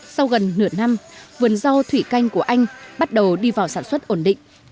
sau gần nửa năm vườn rau thủy canh của anh bắt đầu đi vào sản xuất ổn định